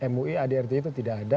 mui adrt itu tidak ada